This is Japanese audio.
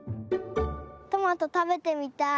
トマトたべてみたい。